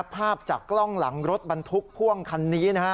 ภาพจากกล้องหลังรถบรรทุกพ่วงคันนี้นะฮะ